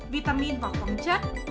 vitamin và khoáng chất